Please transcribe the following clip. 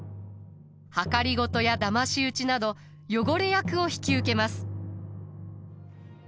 謀やだまし討ちなど汚れ役を引き受けます。